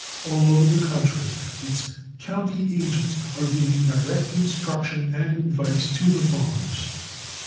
All over the country its "county agents" are giving direct instruction and advice to the farmers.